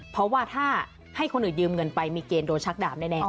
เพราะว่าถ้าให้คนอื่นยืมเงินไปมีเกณฑ์โดนชักดาบแน่